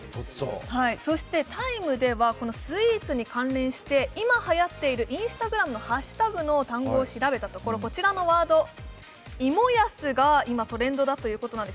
そして「ＴＩＭＥ，」では、このスイーツに関連して今はやっているＩｎｓｔａｇｒａｍのハッシュタグの単語を調べたところ、こちらのワード「芋ヤス」がトレンド入りしているんです。